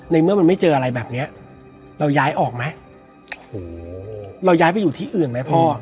เมื่อมันไม่เจออะไรแบบเนี้ยเราย้ายออกไหมโหเราย้ายไปอยู่ที่อื่นไหมพ่อ